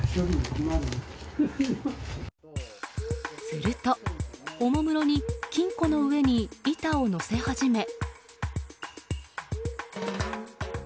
すると、おもむろに金庫の上に板を載せ始め。